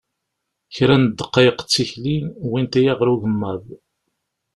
Kra n ddqayeq d tikli wwint-iyi ɣer ugemmaḍ.